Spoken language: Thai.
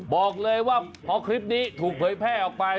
บอกเลยว่าพอคลิปนี้ถูกเผยแพร่ออกไป